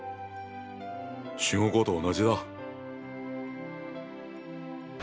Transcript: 中国語と同じだ。